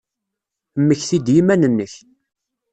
Mmekti-d i yiman-nnek.